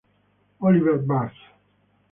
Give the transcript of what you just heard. Oliver Barth